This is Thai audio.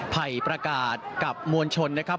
ไผ่ประกาศกับมวลชนนะครับ